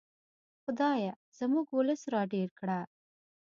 خدایه زموږ ولس را ډېر کړه.